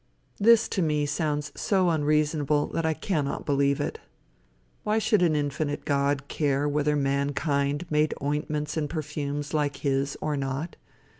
This, to me, sounds so unreasonable that I cannot believe it. Why should an infinite God care whether mankind made ointments and perfumes like his or not?